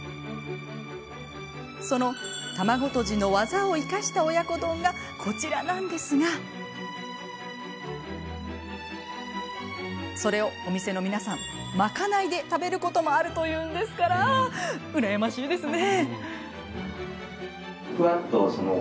その卵とじの技を生かした親子丼が、こちらなんですがそれを、お店の皆さん賄いで食べているというんですから羨ましいですね！